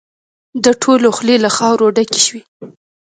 د ټولو خولې له خاورو ډکې شوې.